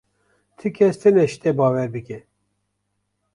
Ti kes tune ji te bawer bike.